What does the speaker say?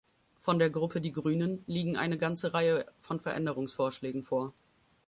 Von der Gruppe Die Grünen liegen eine ganze Reihe von Änderungsvorschlägen vor.